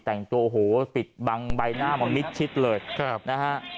แต่งตัวโอ้โหปิดบังใบหน้ามามิดชิดเลยนะฮะ